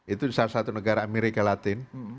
itu di salah satu negara amerika latin